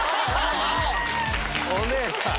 お姉さん！